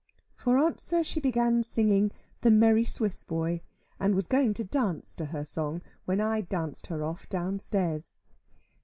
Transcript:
For answer she began singing "the Merry Swiss Boy," and was going to dance to her song, when I danced her off down stairs.